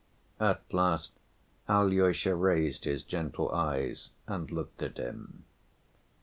At last Alyosha raised his gentle eyes and looked at him.